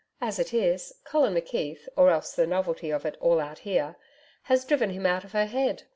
As it is, Colin McKeith, or else the novelty of it all out here has driven him out of her head.